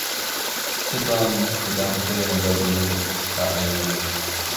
Sidran began playing and writing music at a young age.